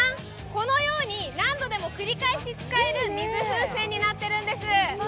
このように何度でも繰り返し使える水風船になってるんです。